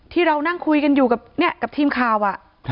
ที่เรานั่งคุยกันอยู่กับทีมข่าว